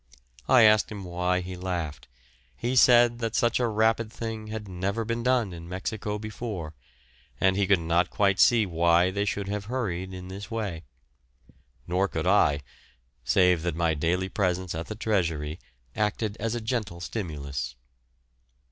I asked him why he laughed; he said such a rapid thing had never been done in Mexico before, and he could not quite see why they should have hurried in this way; nor could I, save that my daily presence at the Treasury acted as a gentle stimulus.